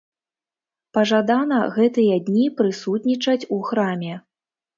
Пажадана гэтыя дні прысутнічаць у храме.